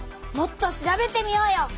もっと調べてみようよ！